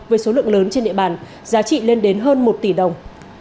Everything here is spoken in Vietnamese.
với số lượng lớn trên địa bàn giá trị lên đến hơn một tỷ đồng